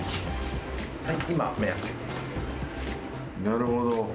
なるほど。